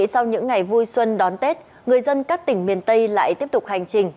sau những ngày vui xuân đón tết người dân các tỉnh miền tây lại tiếp tục hành trình